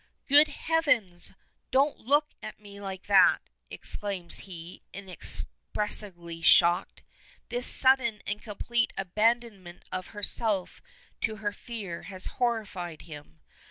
"Good heavens! Don't look at me like that," exclaims he, inexpressibly shocked this sudden and complete abandonment of herself to her fear has horrified him.